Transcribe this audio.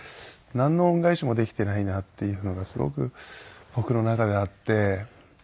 なんの恩返しもできてないなっていうのがすごく僕の中であって。